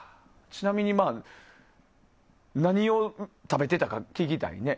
ちなみに何を食べてたか聞きたいね。